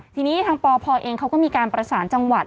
ทีนี้ทางปพเองเขาก็มีการประสานจังหวัด